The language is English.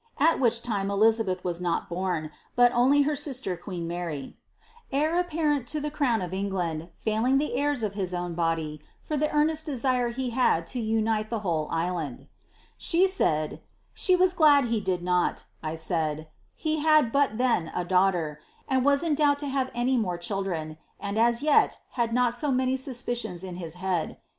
(at which lime Elizabeth was not born, but only her sister, queen Mary), heir apparent to the crown of England, failing the heirs of his own body, fjr the earnest desire he had lo unite the whole island.' 0 cieuse for . ame.! him lo umliiy uf office ■ LIZABBTH. 160 Aid, ^she wMglad he did not ;' I said, ^ he had but then a daughter^ iras in doubt to have any more children, and as yet had not so ' auspicions in his head.'